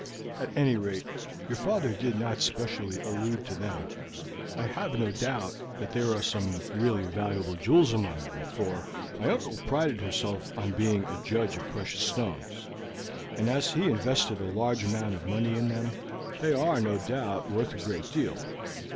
At any rate, your father did not specially allude to them. I have no doubt that there are some really valuable jewels among them, for my uncle prided himself on being a judge of precious stones, and as he invested a large amount of money in them, they are, no doubt, worth a great deal.